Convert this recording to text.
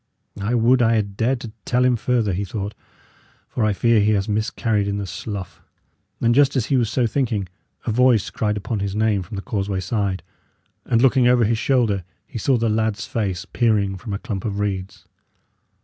"I would I had dared to tell him further," he thought; "for I fear he has miscarried in the slough." And just as he was so thinking, a voice cried upon his name from the causeway side, and, looking over his shoulder, he saw the lad's face peering from a clump of reeds.